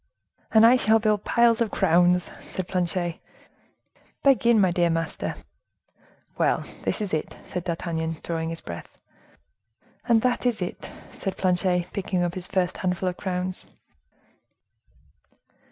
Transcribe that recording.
"And I shall build piles of crowns," said Planchet. "Begin, my dear master." "Well, this is it," said D'Artagnan, drawing his breath. "And that is it," said Planchet, picking up his first handful of crowns.